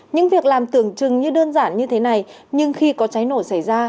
những việc làm tưởng chừng như đơn giản như thế này nhưng khi có cháy nổ xảy ra